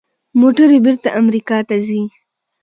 موټرې بیرته امریکا ته ځي.